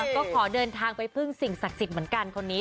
ก็ขอเดินทางไปพึ่งสิ่งศักดิ์สิทธิ์เหมือนกันคนนี้